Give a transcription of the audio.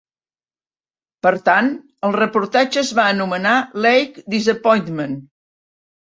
Per tant, el reportatge es va anomenar Lake Disappointment.